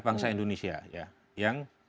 bangsa indonesia yang